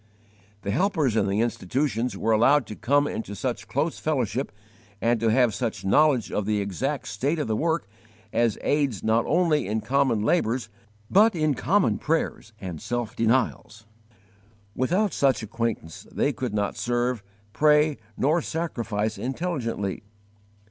The helpers in the institutions were allowed to come into such close fellowship and to have such knowledge of the exact state of the work as aids not only in common labours, but in common prayers and self denials. Without such acquaintance they could not serve, pray, nor sacrifice intelligently.